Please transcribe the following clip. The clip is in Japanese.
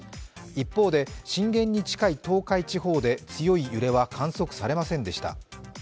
一方で、震源に近い東海地方で強い揺れは観測されませんでした。